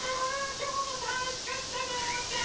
きょうもたのしかったねおうちゃん！